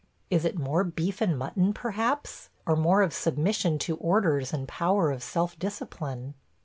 ... Is it more beef and mutton perhaps – or more of submission to orders and power of self discipline?